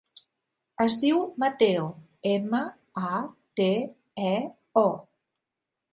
Es diu Mateo: ema, a, te, e, o.